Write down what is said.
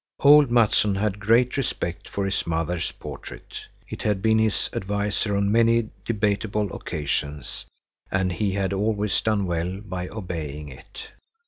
Old Mattsson had great respect for his mother's portrait. It had been his adviser on many debatable occasions, and he had always done well by obeying it.